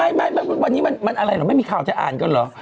ไม่วันนี้มันอะไรเหรอไม่มีข่าวจะอ่านกันเหรอ